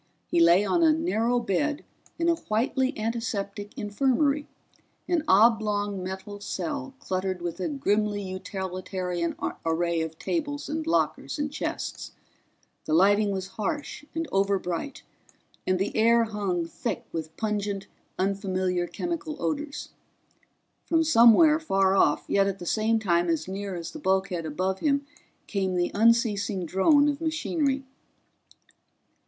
He lay on a narrow bed in a whitely antiseptic infirmary, an oblong metal cell cluttered with a grimly utilitarian array of tables and lockers and chests. The lighting was harsh and overbright and the air hung thick with pungent unfamiliar chemical odors. From somewhere, far off yet at the same time as near as the bulkhead above him, came the unceasing drone of machinery.